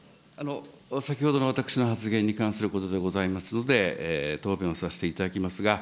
先ほどの私の発言に関することでございますので、答弁をさせていただきますが。